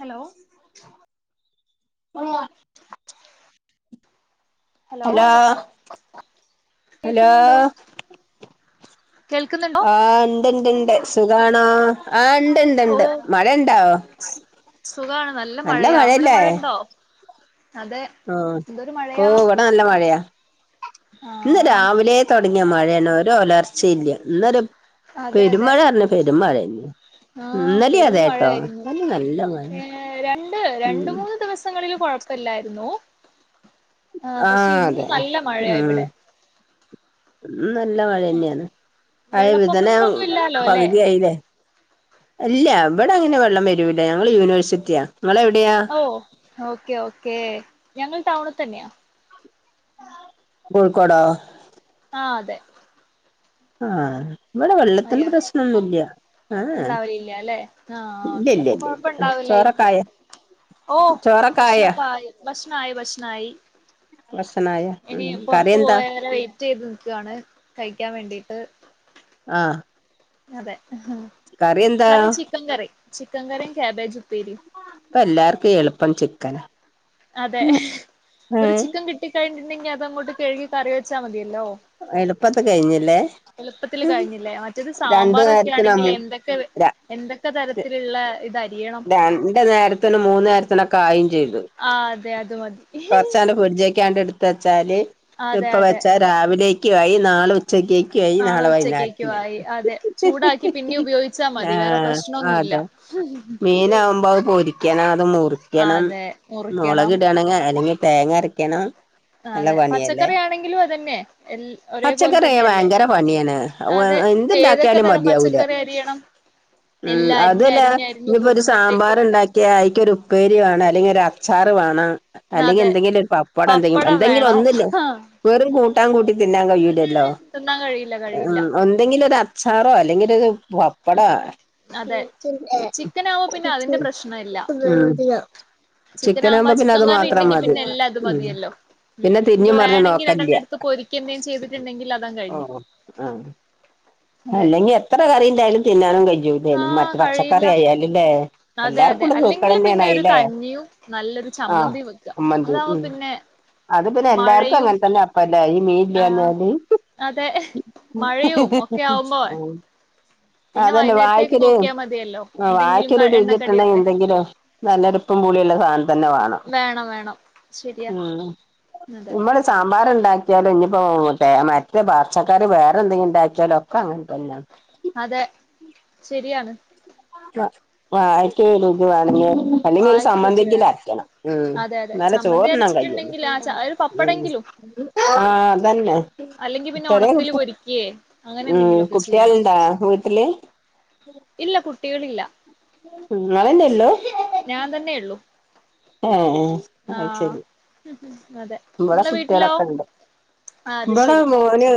Hello വടെ വാ hello hello കേക്കുന്നുണ്ടോ കേൾക്കുന്നുണ്ടോ ആഹ് ഉണ്ട്ണ്ട്ണ്ട് സുഖണോ ആ ഓ ഉണ്ട്ണ്ട്ണ്ട് മഴ ഇണ്ടാവോ സുഖാണ് നല്ല മഴയാ അവിടെ മഴ ഉണ്ടോ അതെ ആഹ് എന്തൊരു ഇപ്പോ മഴയാ എവിടെ നല്ല മഴയാ ഇണ്ട് ആഹ് രാവിലെ തുടങ്ങിയ മഴയാണ് ഒരുോ ഒലർച്ചയില്ല ഇന്നൊരു അതെ അതെ പെരുമാഴ പറഞ്ഞ പെരുമാഴന്നെ ആഹ് പെരും മഴായിരുന്നു നല്ല മഴ ഏഹ് രണ്ട് രണ്ട് ഉം മൂന്ന് ദിവസങ്ങളില് കുഴപ്പ ഇപ്പലായിരുന്നു ആ പക്ഷെ ഇന്ന് നല്ല മഴയ ഇവിടെ ഉം നല്ല മഴ തന്നെയാണ് പഴ മിധുനം വെള്ളപ്പൊക്കങ്ങളൊന്നും ഇല്ലാലോ അല്ലെ പകുതിയയില്ലേ ഇല്ല എവിടെ അങ്ങനെ വെള്ളം വരൂല്ല ഞങ്ങള് യൂണിവേഴ്സിറ്റിയാ നിങ്ങള് എവിടെയാ ഓഹ് ഓക്കേ ഓക്കേ ഞങ്ങൾ ടൗണിൽ തന്നെയാ കോഴിക്കോടോ ആ അതെ ആഹ ഇവിടെ വെള്ളത്തിന്റെ പ്രശ്നോ ന്നുല്ല്യ ഇണ്ടാവില്ല അല്ലെ ആഹ ഇല്ല ഓക്കേ ഇല്ല അപ്പൊ ഇല്ല കൊഴപ്പ ഇല്ല ഇണ്ടാവൂലായിരിക്കും ചോറൊക്കായ ഓഹ് ചോറൊക്കായ ഭക്ഷണഒകെ ആയി ഭക്ഷണയി ഭക്ഷണയി ഭക്ഷണായ ഉം ഇനി പോർത്ത് കറിയെന്താ പോയരെ വെറ്റ്യ്ത് നിക്കാണ് കഴിക്കാൻ വേണ്ടിട്ട് ആഹ് അതെ കറിയെന്താ കറി ചിക്കൻ കറി ചിക്കൻ കറിയും കാബേജ് ഉപ്പേരിം ഇപ്പ എല്ലാർക്കും എളുപ്പം ചിക്കനാ അതെ ഒരു ഏഹ് ചിക്കൻ കിട്ടിക്കഴിഞ്ഞട്ടുണ്ടെങ്കി അതങ്ങോട്ട് കഴുകി കറി വെച്ചാ മതിയല്ലോ എളുപ്പത് കഴിഞ്ഞില്ലേ എളുപ്പത്തിൽ കഴിഞ്ഞില്ലേ മറ്റേത് രണ്ടു സാമ്പാറൊക്കെ നേരത്തിന് ആണെങ്കിൽ അമു എന്തൊക്കെ ര എന്തൊക്കെ തരത്തില്ള്ള ഇത് അരി യണം രണ്ടു നേരത്തിനും മൂന്ന് നേരത്തിനൊക്കായി ചെയ്തു ആ അതെ അത് മതി കൊറചാണ്ട് ഫീഡ്ജിൽക്കാണ്ടെട് ഇത് വച്ചാല് അതെ ഇപ്പ അതെ വെച്ചാല് രാവിലേക്കും ആയി നാളെ ഉച്ചക്കേക്ക് നാളെ ഉച്ചക്കേക്കു ആയി അതെ ചൂടാക്കി പിന്നെ ഉപയോഗിച്ചാ മതി വേറെ പ്രശ്നംന്നുമല്ല [inaudible] മീനാ വുമ്പൊ അത് പൊരിക്കണം അത് മുറിക്കണം അതെ മുറിക്കണം മുളകിടേണെങ്കി അല്ലെങ്കിൽ തേങ്ങര അരക്കണം നല്ല അതെ പണിയല്ലേ പച്ചക്കറി ആണെങ്കിലും അതന്നെ എൽ ഒരേപോലെ പച്ചക്കറിയ തന്നെയല്ലേ ഭയങ്കര പണിയാണ് അതെ ഏതൊക്കെ എന്തുണ്ടാക്കിയാലും തരം മതിയാവൂല പച്ചക്കറി അരിയണം ഉ എല്ലാം അതു അരിഞ്ഞ് ല്ല അരിഞ്ഞ് അരിഞ്ഞ് ഇനിയിപ്പോൊ ഒരു സാമ്പാർ കൂട്ടുമ്പോഴത്തേക്കും ഉണ്ടാക്കിയ അയിക്ക് ഒരു ഉപ്പേരി വേണം അല്ലെങ്കിൽ ഒരു അച്ചാറ് വേണം അല്ലെങ്കിൽ അതെ എന്തെങ്കിലും ഒരു പപ്പാടം എന്തെങ്കിലും പപ്പടം എന്തെങ്കിലും വേണം ഒന്നുല്ലേ ഉം വെറും കൂട്ടാൻ കൂട്ടി തിന്നാൻ കയ്യൂ ഉം ലല്ലോ ഉം തിന്നാൻ കഴിയില്ല കഴിയില്ല ഒന്ന് എന്തെങ്കില് ഒരു അച്ചാറോ അല്ലെങ്കിൽ ഒരു പപ്പടോ ചിക്കനാവുമ്പൊ പിന്നെ അതിന്റെ പ്രശ്ന ഇല്ല ഉം ചിക്കൻ ആവുപ്പോ ചിക്കനാകുമ്പോ പിന്നെ ചിക്കൻ അത് കറി മാത്രം ഉണ്ടെങ്കി മതി പിന്നെ എല്ലാ ഇത് ഉം മതിയല്ലോ ഉം പിന്നെ ഇപ്പൊ തിരിഞ്ഞും മറിഞ്ഞും വേണമെങ്കിൽ രണ്ട് എണം നോക്കലില്ല എടുത്ത് പൊരിക്കന്തേും ചെയ്തിട്ടുണ്ടെങ്കിൽ അതാങ്ങ് ഓ കഴിഞ്ഞു ആഹ് അല്ലെങ്കി എത്ര കറി ഉണ്ടായാലും തിന്നാനും കഴിഞ്ഞൂില്ലേനും ആഹ് മറ്റ് പച്ചക്കറി കഴിയില്ല ആയാല്ല്ലേ അതെ അതെ അല്ലെങ്കിൽ പിന്നെ ഒരു കഞ്ഞിയും നല്ലൊരു ആഹ് ചമ്മന്തിയും വെക്കുക ചമ്മന്തി അതാവ് ഉം പിന്നെ അത് പിന്നെ എല്ലാർക്കും മഴയും അങ്ങനെ തന്നെ അപ്പല്ലെ ഈ മീൻ ഇല്ല്യാ ആഹ് ഞ്ഞാല് അതെ മഴയും ഒക്കെ ആവുമ്പോ [unintelligible] പിന്നെ അതന്നെ വൈകുന്നേരത്തേക്ക് വായക്കാരൂ നോക്കിയാൽ മതിയല്ലോ ആഹ് എന്തെങ്കിലും ക വായക്കാരു രുചിട്ടണാക്കിൽ എണ്ണക്കടിയൊക്കെ എന്തെങ്കിലോ നല്ലരുപ്പുംപുളിയുള്ള സാധനം തന്നെ വേണം വേണം ശരിയാ അതെ ഉ നമ്മ സാമ്പാർ ഉണ്ടാക്കിയാലും ഇനിയിപ്പോ മറ്റേ പാച്ചക്കാറി വേറെ എന്തെങ്കിലും ഉണ്ടാക്കിയാലോ അത് അങ്ങനെതന്ന അതെ ശരിയാണ് വായിക്കൊരു രുചിവേണമെങ്കിൽ അല്ലെങ്കിൽ വായക്ക് രുചി ഒരുചമ്മന്തിങ്കിൽ വേണം അരക്കണം ഉ അതെ അതെ ന്നാലെ ചമ്മന്തി ചോറുണ്ണാൻ ണാൻ കഴ്യോളു അരച്ചിട്ടുണ്ടെങ്കിൽ ആ ച ഒരു പപ്പടെങ്കിലും ആഹ് അതന്നെ അല്ലെങ്കിൽ പിന്നെ ഇത്രര ഉണക്കല് കുട്ട പൊരിക്കേ അങ്ങനെ ഉം എന്തെങ്കിലുമൊക്കെ ചെയ്യണം കുട്ടിയാള്ണ്ടോ വീ വിട്ടില് ഇല്ല കുട്ടികളില്ല ഇങ്ങൾന്നേ ഉള്ളു ഞാൻ തന്നെ ഉള്ളു ഓ അയ്ശരി ഉം അതെ ഇവിടെ നിങ്ങളെ വീട്ടിലോ കുട്ടികളൊക്കെ ഉണ്ട് ആ അത് ഇവിടെ ശരി മോന്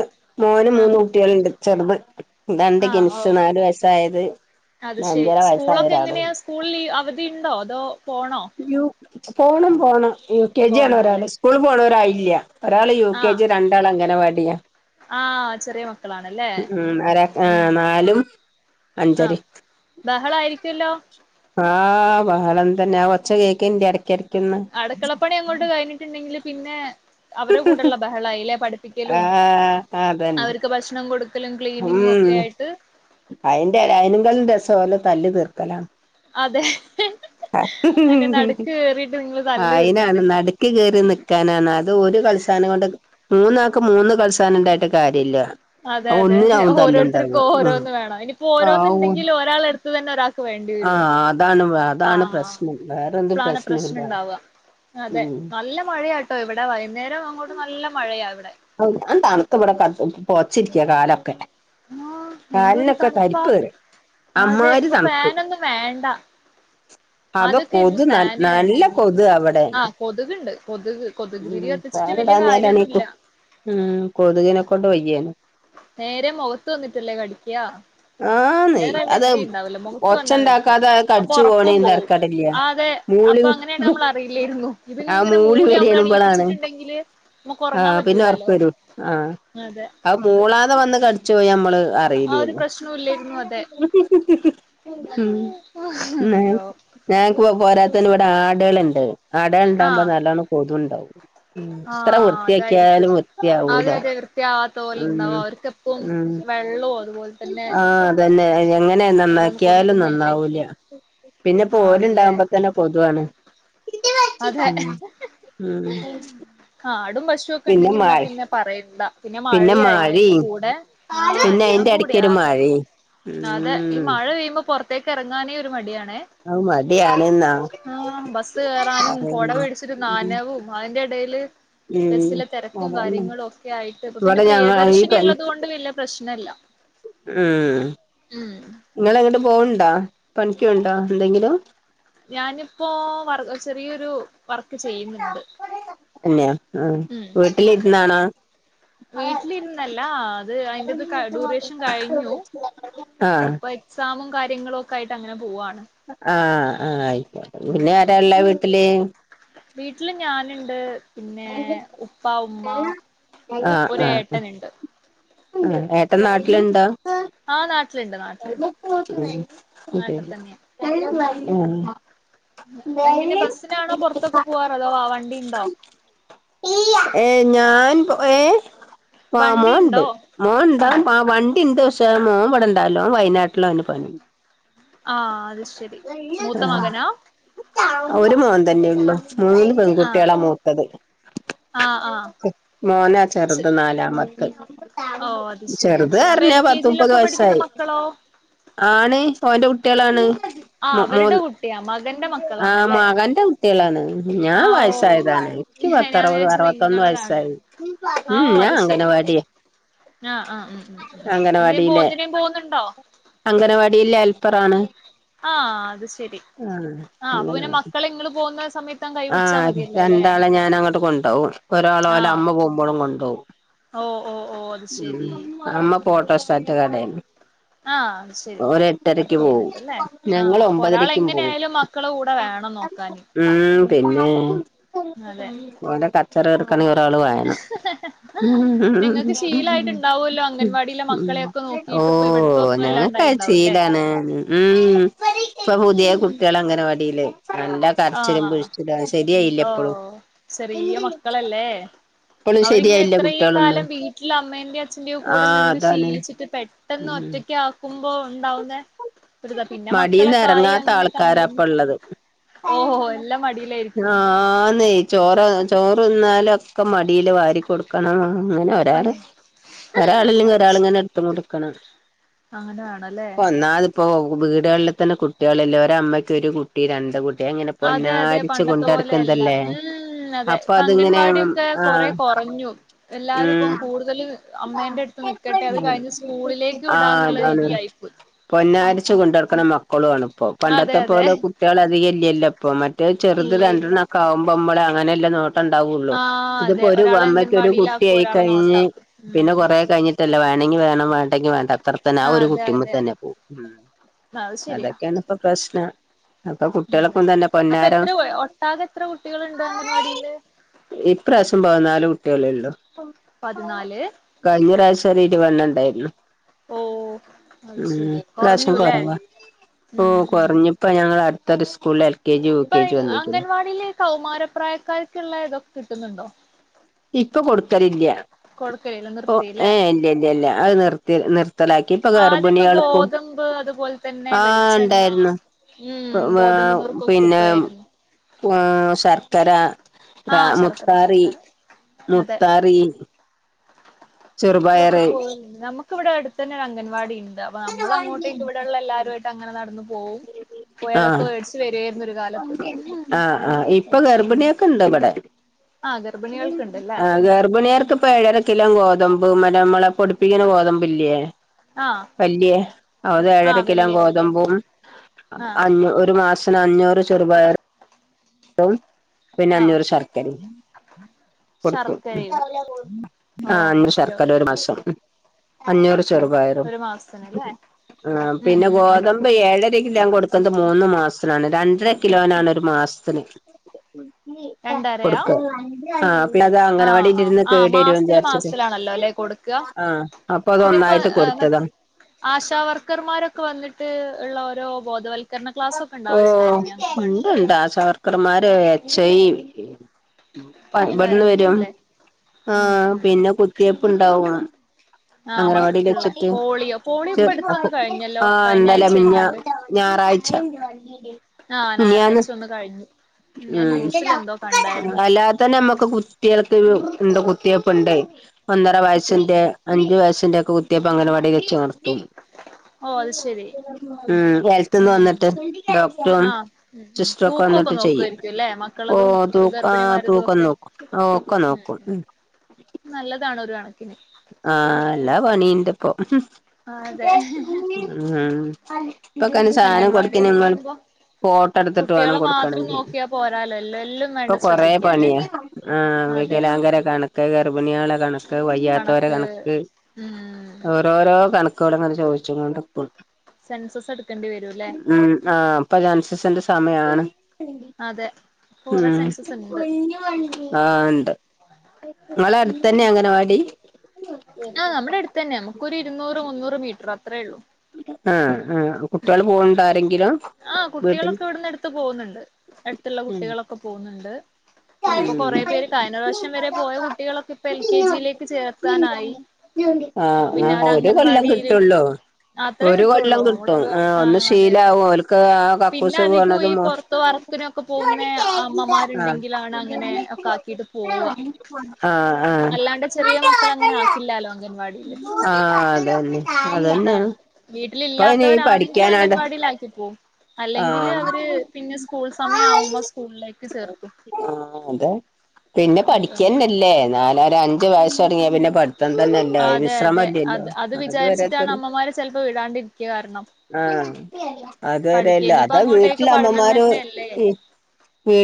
മോന് ആ മൂന്ന് കുട്ടിയാള്ണ്ട് ചെറുത് രണ്ട് ആ ഓ കിൻസ് നാാലു വയസായത് അത് ശെ സ്കൂളോക്ക എങ്ങനെയാ സ്കൂളി അവധിയിണ്ടോ? അതോ പോണോ? യു പോണം പോണം യു കെ ജി ആണ് പോണോ അല്ലേ ഒരാള് സ്കൂള് പോണാേരായില്ല ഒരാള് യു ആ കെ ജി രണ്ടാൾ അംഗനവാടിയാ. ആ ചെറിയ മക്കളാണല്ലേ ഉം ഉം ഒരാ ഉം നാലും അഞ്ചെരിം ബഹളായിരിക്ക്യുല്ലോ ആഹ് ബഹളം തന്നെ ആഹ് ഒച്ച കേക്കേണ്ട് എടെക്കെട് അടുക്കള പണി അങ്ങോട്ട് കഴിഞ്ഞിട്ട് ഇണ്ടെങ്കില് പിന്നെ അവരെ കൂടെള്ള ബഹളായില്ലേ. പഠിപ്പിക്കലും ആഹ് അതന്നെ അവര്ക്ക് ഭക്ഷണം കൊട്ക്കലും ക്ലീനിങ്ങും ഉം ഒക്കെ ആയിട്ട് അയിന്റെ അയിനേകാലും രസം ഓലേ തല്ല് തീർക്കലാ. അതെ അതിന്റെ നടുക്ക് കേറിയിട്ട് നിങ്ങള് തല്ല് തീർക്കണ്ടേ ആയിനാണ് നട് ക്ക് കേയറി നിക്കാനാണ് അത് ഒരു കളിസാനം കൊണ്ട് മൂന്നാക്ക് മൂന്ന് കളിസാനംണ്ടായ്ട്ട് കാര്യല്ലാ അതെ അതെ അതെ ഓരോര്ത്തര്ക്ക് ഉം ഓരോന്ന് വേണം ഇനിപ്പോ ഓരോന്ന് ആവും ഇണ്ടെങ്കിലും ഒരാളെ ഇത് തന്നെ ഒരാക്ക് വേണ്ടി വെരും ആഹ് അതാണ് അതാണ് ആഹ് പ്രശ്നം വേറെന്ത് ഇപ്ലാണ് പ്രശ്നം പ്രശ്നമില്ല ഇണ്ടാവ. അതെ ഉം നല്ല മഴയാട്ടോ ഇവ്ടെ വൈന്നേരം അങ്ങോട്ട് നല്ല മഴയാ വ്ടെ ഔ ഞാൻ തണ്ത്ത് വ്ടെ ക പോത്ച്ചിരിക്ക്യാ കാലൊക്കെ ആഹ് എന്തൊരു കാല്നൊക്കെ തണുപ്പാ തരിപ്പേറി അതെ അമ്മായ്രി ഇപ്പൊ തണ്പ്പ് ഫാനൊന്നും വേണ്ട അതൊ ആദ്യൊക്കെ ആയിരുന്നു കൊതു ന ഫാന് നല്ലാ വേണ്ടിയിരുന്നത് കൊതുവാ വടെ ആഹ് കൊതുകുണ്ട് കൊതുക് കൊതുക് ഉം തിരി കത്തിച്ചിട്ട് വലിയ ഫാന്ടാഞ്ഞാലാണ് ഈ കാര്യൊന്നുല്ല കൊത് ഉം കൊത്ക്നെ കൊണ്ട് വയ്യേനും നേരെ മാെഖത്ത് വന്നിട്ടല്ലേ കടിക്ക്യാ ആന്ന് വേറെ അത് എവെടിംണ്ടാവില്ലാ മുഖത്ത് വന്നാ കടിക്ക്യാ ഒച്ചണ്ടാക്കാതെ അപ്പൊ കടിച്ചു ഒറാെക്കും പോണേന് പോവും തരക്കേടില്ല ആഹ് അതെ മൂളി അപ്പൊ അങ്ങനെയാണ് നമ്മള് അറീല്ല്യേര്ന്നു ഇത് ആ ഇങ്ങെനെ മൂളി അമ്മളെ വരേണുമ്പളാണ് എണീയിപ്പിച്ചിട്ട്ണ്ടെങ്കില് മ്മക്ക് ആ ഒർങ്ങാൻ പറ്റ് പിന്നെ ഒർക്കെരും ആഹ് അത് മൂളാതെ വന്ന് കട്ച്ചാേയാ മ്മള് ആ ഒരു അറീല്ല്യേന്നു പ്രശ്നവും ഇല്ലായിരുന്നു അതെ ഉം ന്നാ അയ്യോ ഞങ്ങക്ക് പോ പോരാത്തേന് വടെ ആടേള്ണ്ട് ആടേൾ ഇണ്ടാമ്പോ ആഹ് നല്ലോണം കൊതു ഇണ്ടാവും. ഉം എത്ര ആഹ് അതായിരിക്കും വൃത്തിയാക്കിയാലും വൃത്തിയാവൂല. അതെ [unintelligible] ഉം ഉണ്ടാവും അവർക്കെപ്പും ഉം വെള്ളവും അതുപോലെ തന്നെ ആഹ് അതെന്നെ എങ്ങനെ നന്നാ ഓരോന്ന് ക്ക്യാലും കൊടുക്കുന്നതല്ലേ നന്നാവൂല്ല്യാ പിന്നെ പ്പൊ ആണല്ലേ ഓല്ണ്ടാവുമ്പോ തന്നെ കൊതുആണ്. അതെ ഉം ഉം കാടും പശു പിന്നെ ഒക്കെണ്ടെങ്കി ന്നാ മഴ പിന്നെ പറെയെണ്ടാ പിന്നെ മഴയും ആയ്ലെ അയ്ന്റെ കൂടെ ആഹ് പിന്നെ എല്ലാം അയിന്റെ കൂടി ഇടക്കൊരു ആകെ മഴയും അതെ ഈ ഉം മഴ പെയ്യ്മ്പോ പോറത്തേക്ക് എറങ്ങാനേ ഒര് മടിയാണേ. അത് മടിയാണ്ന്നാ ആഹ് ബസ്സ് കേറാനും കൊട പറയണ്ട് പിടിച്ചിട്ട് നനവും മകന്റെ എടേല് ഉം ബെസ്സ്ലെ തേരക്കും അതന്നെ കാര്യങ്ങളും ഒക്കെ ആയിട്ട് പ്പൊ പിന്നെ ഇവിടെ ഞങ്ങ ഈ പ പ്രിയദേർശിനി ഇള്ളത് കൊ ണ്ട് വല്ല്യാ പ്രശ്നല്ലാ ഉം ഇങ്ങള് എങ്ങട്ടും പോവുണ്ടോ? പണിക്കിണ്ടോ എന്തെങ്കിലും ഞാന്പ്പോ വർ ചെറിയൊരു വർക്ക് ചെയ്യ്ന്ന്ണ്ട് ന്ന്യോ ആഹ് വീട്ടിലിര്ന്നാണോ വീട്ടിലിരുന്നല്ലാ അത് അയിന്റെ ഇത് ഡ്യൂറേഷൻ കഴിഞ്ഞു ആഹ് ഇപ്പ ക്സാമും കാര്യങ്ങളും ഒക്കെ ആയിട്ടങ്ങനെ പോവാണ് ആഹ് ആഹ് അയ്ക്കോട്ടേ പിന്നെ ആരാള്ളെ വീട്ടില് വീട്ട്ല് ഞാന് ണ്ട്. പിന്നേ ഉപ്പാ, ഉമ്മാ ഒര് ഏട്ടന്ണ്ട് ഉം ഏട്ടെൻ നാട്ട്ൽണ്ടോ ആ നാട്ടിലുണ്ട് നാട്ടിലുണ്ട് നാട്ടിൽ തന്നെയാ [unintelligible] എങ്ങനെ ബസ്സ്നാണോ പോർത്തൊക്കെ പോവാറ് അതോ ആഹ് വണ്ടിണ്ടോ? എഹ് ഞാൻ പൊ ഏഹ് ആഹ് വണ്ടി മോൻണ്ട് ഉണ്ടോ മോൻ ഉം ഇണ്ടാവും ആഹ് വണ്ടിണ്ട് പശ്ശെ മോംവടെ - അല്ലോംവയനാട്ടില ഓന് പണി. ആഹ് അത്ശെരി. ആഹ് ഒരു മോൻതന്നെള്ളൂ. മൂന്ന് ആ പെങ്കുട്ട്യാളാ, മൂ ത്തത് ആ ആ മോനാ ചെറ്ത് നാലാമത്തഹ് ഓ അത് ശരി അത് ശരി അപ്പൊ ചെറ്ത്അറഞ്ഞ എൽ കെ പത്ത് മുപ്പത് ജിയിലൊക്കെ പഠിക്കുന്ന വയസായി. മക്കളോ ആണ് ഓന്റകുട്ട്യാളാണ്. ആ മൊ മോൻ അവരുടെ കുട്ടിയാ മകന്റെ ആഹ് മക്കളാണല്ലേ മകന്റെ കുട്ട്യാളാണ് ആ ഞാൻ ഓ വയസായതാണേയ് ഇക്ക് ഞാൻ പത്തറുവത് വിചാരിച്ചു അറവത്തൊന്ന് നിങ്ങളതാണ് വയസായി. ഉം ഉം ഞാൻ അങ്കലവാട്യേ. ആഹ് ആഹ് ഉം എന്തേലും പോക്ണ് എന്തിനേലും പോക്ന്ന്ണ്ടോ? അംഗനവാടില് ഹെൽപ്പറാണ്. ആഹ്‌ അത് ശരി. ആഹ്‌ ആ അപ്പൊ അങ്ങനാ? പിന്നെ മക്കളെ ഇങ്ങള് പോകുന്ന സമയത്ത് അങ്ങ് കൈ പിടിച്ചാ ആഹ് മതിയല്ലോ അല്ലെ രണ്ടാളെ ഞാനങ്ങട്ട് കൊണ്ടവും. ആ ഒരാളോലമ്മ പോവുമ്പളും കൊണ്ടോവും. ഓ ഓ ഓ അത് ശരി ഇമ് അമ്മ ഉം ഉം പോട്ടോസ്റ്റാറ്റ് ത്ത്കടേ ആ അത് ശരി ഓരെട്ടരക്ക് വർക്ക് പോവും. ചെയ്യുന്നുണ്ടല്ലേ ആ അപ്പൊ ഒരാൾ ഞങ്ങളൊമ്പതരക്കും എങ്ങനെ പോവും. ആയാലും മക്കളെ കൂടെ വേണം നോക്കാന് ഇമ്.. പിന്നെ. അതെ. ഓന്റെ തൽ- കച്ചറ തീർക്കണീഒരാള് വാണം നിങ്ങൾക്ക് [unintelligible] ശീലായിട്ടുണ്ടാവുമല്ലോ അംഗൻവാടിയിലെ മക്കളെയൊക്കെ നോക്കിയിട്ട് ഇപ്പൊ ഇവിടത്തെ ഓഹ് ഒന്നും ഞങ്ങക്കഹ് അല്ലാണ്ടായിണ്ടാവൂല്ലേ ചീലാണ്. ഇമ്... ഇപ്പൊ പുതിയ കുട്ട്യാളങ്കനവാടീലെയ്. നല്ല കരച്ചിലും ആഹ് പിഴിച്ചിലും അഹ് ഓ ശെര്യായില്ല്യപ്പളും. ചെറിയ മക്കളല്ലേ അവരിങ്ങനെ ഇത്രേം കാലം വീട്ടിലമ്മേന്റേം അച്ഛന്റെയും കൂടെ ആഹ് നിന്ന് അതാണ് ശീലിച്ചിട്ട് പെ- പെട്ടെന്ന് ഉം ഒറ്റക്കാക്കുംബൊ ഇണ്ടാവുന്നെ മടീന്നെറങ്ങാത്താൾക്കാരാപ്പള്ളത്. ഓഹോ ആഹ്. എല്ലാം മടിയിലായിരിക്കും ആന്നെ ചോറൊ ചോറ്ന്നാലൊക്കെ മടീല് വാരിക്കൊട് ക്കണം. അങ്ങനെ ഒരാള് അയ് ഒരാളല്ലെങ്കി അത് ഒരാള്ങ്ങനെ ശരി ഇട്ത്ത്ങ്ങോണ്ട്ക്കണം. അങ്ങനെ വാണംലെ? ഒന്നാത്പ്പൊ വീടാൾള്തന്നെ കുട്ട്യാള്ല്ല. ഒരമ്മക്കൊര് കുട്ടി രണ്ട് കു അതെ അതെ പണ്ടത്തപോലെല്ല ഉംമ് അതെ അപ്പൊ അതിങ്ങനെ ഇപ്പംഗൻവാഡ്യോക്കെ കൊറേ ആഹ് കൊറഞ്ഞു. എല്ലാരുപ്പൊ ഉം കൂട്തല്. അമ്മേന്റെട്ത്ത് ന്ക്കട്ടെ അത് കഴിഞ്ഞ് സ്കൂളിലേക്ക് വിടാന്ന്ള്ള രീതിയായിപ്പോയി. പൊന്നാര്ച്ച് കൊണ്ടടക്ക്ണ മക്കളും ആണ് പ്പൊ അതെ പണ്ടത്തെ അതെ പോലൊ- കുട്ട്യാളധികല്ല്യല്ലോപ്പൊ മറ്റഹ്‌ ചെറ്ത് ഇല്ല ഇല്ല രണ്ടെണ്ണോക്കാവുബൊ ഇമ്മളങ്ങനെ- ഇല്ല നോട്ടണ്ടാവൊള്ളു ആഹ് ഇത്പ്പൊ അതെ ഒരു ഒരാളെ അമ്മക്കൊരു അംഗൻവാടിയിലാക്കും ഒരാളെ കുട്ട്യായിക്കയിഞ്ഞ് നോട്ടാക്കും പിന്നെ ഉം കൊറേ കയിഞ്ഞ്ട്ടല്ലെ വാണെങ്കി വാണം വാണ്ടെങ്കി വാണ്ട. അത്രത്തന്നെ ആഹ് ഒര് അതെ അതെ കുട്ടിമ്മത്തനന്നെക്കും അത് അതൊക്കേണ്പ്പൊ പ്രെഷ്ന- അപ്പെത്രെ ഒട്ടാകെത്രെ കുട്ടികള്ണ്ട് അംഗൻവാടിയില്? ഇപ്രാവശ്യം പതനാല് കുട്ട്യാളേള്ളൂ. പതിനാല് കഴിഞ്ഞ പ്രാവ്ശൊര് ഇര് വതെണ്ണണ്ടായിര്ന്നു. ഓ അത് ഇമ്.. ശരി ഇപ്രാവശ്യം കൊറഞ്ഞൂല്ലേ കൊറവാ ഉം ഓഹ്‌ ഉം കൊറഞ്ഞ് ഇപ്പ ഞങ്ങളെ അടുത്തൊരുസ്കൂളിലെൽ. ഇപ്പയ് അംഗൻവാടീല് കൗമാരപ്രായക്കാർക്ക്ള്ളെ ഇതൊക്കെ കിട്ട്ന്ന്ണ്ടോ? ഇപ്പൊ കൊടുക്കലില്ല്യ. കൊടുക്കലില്ല ഓഹ്‌ നിർത്തില്ലേ ഏയേ ഇല്ല്യ ഇല്ല്യ ഇല്ല. അഹ് നിർത്യെ നിർത്തലാക്കി. ഇപ്പൊ ഗർഭിണികൾക്കും. അത്പോൽത്തന്നെ ആ വെളിച്ചെണ്ണ ഉണ്ടായിരുന്നു ഇമ്.... ഗോതമ്പ്നൂർക്കൊക്കെ കിട്ടുായിരുന്നു. ആഹ് ശർക്കര കാ ആഹ് ശർക്കര മുത്താറി ശർക്കര അതെ മുത്താറി അതൊക്കെ ചെറുപയറ് പോവും നമ്മക്ക് ഇവടെ എട്ത്തെന്നെ ഒരംഗൻവാടി ഇണ്ട് അപ്പൊ നമ്മളങ്ങോട്ടേക്ക്‌ ഇവടള്ളെല്ലാരൂആയിട്ട- അങ്ങനെ നടന്ന് പോവും. പോയി അതൊക്കെ ആഹ് മേടിച്ച് വരുവായിരുന്നു ഒരു കാലത്ത് ആഹ് ആഹ് ഇപ്പൊ ഗർഭിണിയൊക്കെ ഉണ്ട് ഇവിടെ ആഹ ഗർഭി ആഹ് ഗർഭിണിയർക്ക് പട ക്കില ഗോതമ്പ് മര നമ്മളെ പൊടിപ്പിക്കുന്ന ഗോതമ്പ് ഇല്ലേ ആഹ് പില്യേ അത് ഏഴര ആഹ് കിലോ വല്യ വല്യ ഗോതമ്പും ആഹ് ഒരു മാസത്തി അഞ്ഞൂറ് ചെറുപയർ പ്പം പിന്നെ ആഹ് അഞ്ഞൂറ് ശർക്കരയും കൊടുക്കും ശർക്കരയും ഓ ആ അഞ്ഞൂറു ഓക്കെ ശർക്കര ഓക്കെ ഒരു മാസം അഞ്ഞൂറ് ചെറുപായറും ഒരു മാസത്തിനല്ലേ ഉം പിന്നെ ഉം ഉം ഗോതമ്പ ഇപ്പം ഏഴരക്കിലോ ഞാൻ കൊടുക്കുന്നത് മൂന്ന് മാസത്തിനാണ് രണ്ടര കിലോനാണ് ഒരു മാസത്തിന് രണ്ടരയാ കൊടുക്ക ആ അപ്പ അതാ ആഹ് ആഹ് അങ്ങനെവാടിരുന്ന് ആഹ് കേടു വരു മാസത്തില് വിചാരിച്ചത് മാസത്തിലാണല്ലോ അല്ലെ കൊടുക്കുക ആഹ് അപ്പൊ അത് ഒന്നായിട്ട് കൊടുത്തതാ ആശാവർക്കർമാരൊക്കെ വന്നിട്ട് ഉള്ള ഓരോ ബോധവൽക്കണം ഓ ഉണ്ട് ഉണ്ട് ആശാവർക്കരന്മാര് എച് ഐ പപടന്ന് എല്ലാരും വരും വരൂല്ലേ ഉം ആഹ് ഉം പിന്നെ കുത്തിവയ്പ്പ് ഉണ്ടാവും ആഹ് അങ്ങനവാടിൽ മക്കൾക്കുള്ള വെച്ചിട്ട് പോളിയോ പോളിയോ ഇപ്പ അടുത്തൊന്ന് കഴിഞ്ഞല്ലോ ആഹ കഴിഞ്ഞ ഇന്നലെ ആഴ്ച മിനിഞ്ഞ എങ്ങാണ്ട് ഞായറാഴ്ച ആഹ് മിനിഞ്ഞാന്ന് ഞായറാഴ്ച ഒന്ന് കഴിഞ്ഞു ഞാൻ ന്യൂസിൽ എന്തോ കണ്ടായിരുന്നു ആ അല്ലാത തന്നെ നമ്മുക്ക് കുട്ടികൾക്ക് ഉണ്ട് കുത്തിയപ്പുണ്ട് ഒന്നര വയസ്സിന്റെ കുത്തിവെപ്പുണ്ട് അഞ്ചു വയസ്സിൻന്റെറെ ഒക്കെ കുത്തിവയ്പ്പ് അംഗനവാടി വെച്ചു നിർത്തും ഓ അത് ശെരി ഉം ഹെൽത്ത്ന്ന് വന്നിട്ട് അങ്ങനെണ്ട് ഡോക്ടറും ആഹ് ഉം ഉം സിസ്റ്ററ് ഒക്കെ തൂക്കൊക്കെ വന്നിട്ട് ചെയ്യും നോക്കുവായിരിക്കും അല്ലേ ഓ മക്കളതും തൂ ആ ഗർഭിണിമാരതും തൂക്കന്ന് ഒക്കെ നോക്കും ആ ഒക്കെ നോക്കും നല്ലതാണ് ഒരു കണക്കിന് ആഹഎല്ലാ പണിണ്ട്പ്പ അതെ ഉം ഇപ്പൊക്കെ സാധനം കൊടുക്ക അംഗൻവാടിന്ന് നിങ്ങള് പറയുമ്പോ ഫോട്ടടുത്തിട്ട് വേണം കുട്ടികളെ മാത്രം കൊടുക്കണെങ്കില് നോക്കിയാ പോരാലോ എല്ലോ എല്ലും ഇപ്പൊ വേണ്ട കൊറേ ശ്രദ്ധിക്കാ അല്ലെ പണിയാ ആഹ് അതെ വികലാങ്കര കണക്ക് ഗർഭിണിയാള കണക്ക് വയ്യാത്തോര കണക്ക് ഉം ഓരോരോ കണക്കോട്ങ്ങനെ ചോദിച്ചണ്ട സെൻസസ് എടുക്കേണ്ടി വരൂല്ലേ ഉ ആഹഇപ്പൊ സെൻസസിന്റെ സമയാണ് അതെ കൊറേ ഉം സെൻസസ് ഉണ്ട് ആഹ് ഉണ്ട് നിങ്ങളെ അടുത്തന്നെ അംഗനവാടി ആഹ് നമ്മുടെ അടുത്തന്നെ നമുക്കൊരു ഇരൂറ് മുന്നൂറ് മീറ്ററും അത്രേ ഉള്ളൂ ആഹ ആ കുട്ടികള് പോകുണ്ട ആരെങ്കിലും ആഹ് വീട്ടിന്ന് കുട്ടികളൊക്കെ ഇവിടുന്ന് എടുത്ത് പോകുന്നുണ്ട് അടുത്തുള്ള ഉം കുട്ടികളൊക്കെ പോകുന്നുണ്ട് പിന്നെപ്പോ ഉം കൊറേ പേര് കഴിഞ്ഞ വർഷം വരെ പോയ കുട്ടികളൊക്കെ ഇപ്പ എൽ കെ ജിയിലേക്ക് ചേർക്കാനായി അപ്പൊ ആഹ് പിന്നെ ആഹ് അവര് ഒരു കൊല്ലം അംഗൻവാടിയില് കിട്ടുള്ളൂ അത്രേ ഒരു കൊല്ലം കിട്ടുള്ളൂ കിട്ടും നമ്മളരു ഒന്ന് ആഹ് അതെ അതെ ശീലാവും ഓൽക്ക് ആ പിന്നെ കക്കൂസ് അധികം ഈ പോണതും പുറത്ത് വർക്ക്നൊക്കെ പോകുന്ന ആഹ് അമ്മമാരുണ്ടെങ്കിൽ ആണ് അങ്ങനെ ഒക്കെ ആക്കിട്ട് പോവ ആഹ് ആഹ് അല്ലാതെ ചെറിയ മക്കളെ അങ്ങനെ ആക്കില്ലല്ലോ അംഗൻവാടിയിൽ ആഹ് അതന്നെ അതന്നെയ വീട്ടില് ഇല്ലാത്തവരാണെങ്കിൽ അംഗൻവാടിയിലാക്കിപ്പോവും അല്ലെങ്കില് അവര് ആഹ് പിന്നെ സ്കൂൾ സമയം ആവുമ്പോ സ്കൂളിലേക്ക് ചേർക്കും ആഹ് അതെ പിന്നെ പഠിക്കന്നല്ലേ നാലര അഞ്ചു വയസ്സ് തുടങ്ങിയ പിന്നെ പഠ മത്തം തന്നെയല്ലേ അതെ അതെ വിശ്രമല്ലേല്ലോ അത് അത് വിചാരിച്ചിട്ടാണ് വരാത്തൊരു അമ്മമാര് ചെലപ്പോ വിടാണ്ടി കാരണം ആഹ് അതുവരെല്ല പഠിക്കനിപ്പ അതാ അങ്ങോട്ടേക്ക് വീട്ടിലെ പഠനം അമ്മമാര് തന്നെയല്ലേ വീ